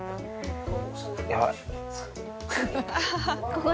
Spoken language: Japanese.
やばい。